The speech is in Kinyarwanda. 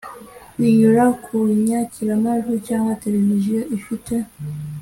Binyura ku nyakiramajwi cyangwa televiziyo ifite